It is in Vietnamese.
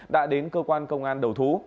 đã đến cơ quan công an đầu thú